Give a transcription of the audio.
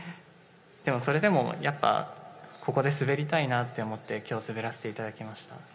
でもそれでもやっぱりここで滑りたいなって思って、きょう、滑らせていただきました。